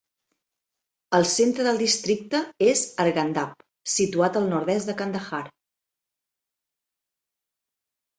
El centre del districte és Arghandab, situat al nord-oest de Kandahar.